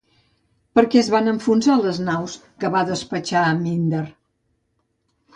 Per què es van enfonsar les naus que va despatxar a Míndar?